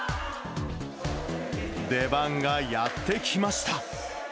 出番がやって来ました。